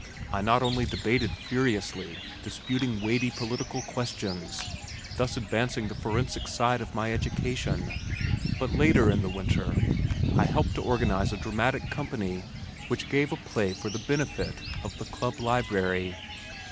I not only debated furiously, disputing weighty political questions, thus advancing the forensic side of my education, but later in the winter I helped to organize a dramatic company which gave a play for the benefit of the Club Library.